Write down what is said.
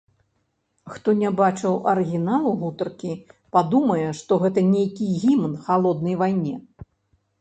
Хто не бачыў арыгіналу гутаркі, падумае, што гэта нейкі гімн халоднай вайне.